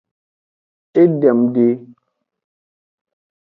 Edem de.